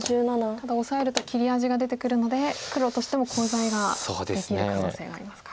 ただオサえると切り味が出てくるので黒としてもコウ材ができる可能性がありますか。